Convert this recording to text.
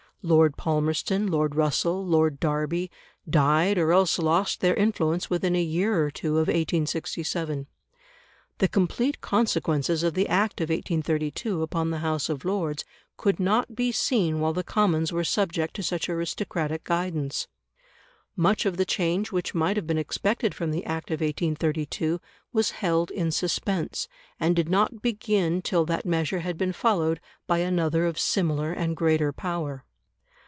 Lord Palmerston, Lord Russell, Lord Derby, died or else lost their influence within a year or two of 1867. The complete consequences of the Act of 1832 upon the House of Lords could not be seen while the Commons were subject to such aristocratic guidance. Much of the change which might have been expected from the Act of 1832 was held in suspense, and did not begin till that measure had been followed by another of similar and greater power.